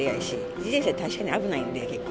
自転車は確かに危ないんで、結構。